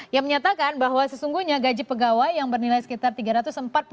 yang menyatakan bahwa sesungguhnya gaji pegawai yang bernilai sekitar rp tiga ratus empat puluh